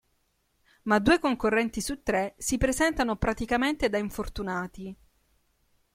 Ma due concorrenti su tre si presentano praticamente da infortunati.